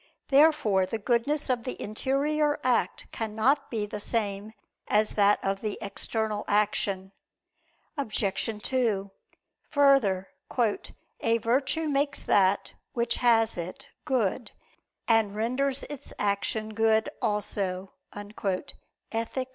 Therefore the goodness of the interior act cannot be the same as that of the external action. Obj. 2: Further, "A virtue makes that, which has it, good, and renders its action good also" (Ethic.